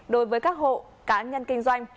đối với các hộ cá nhân kinh doanh